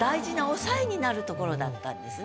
になるところだったんですね。